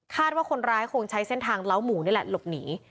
ว่าคนร้ายคงใช้เส้นทางเล้าหมูนี่แหละหลบหนี